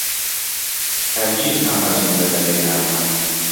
هەرگیز ئەم ئەزموونە لەبیر ناکەم.